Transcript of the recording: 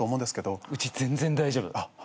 うち全然大丈夫。